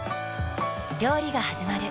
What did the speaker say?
料理がはじまる。